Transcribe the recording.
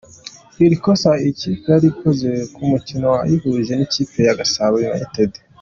Iri kosa iyi kipe yarikoze ku mukino wayihuje n’ikipe ya Gasabo United.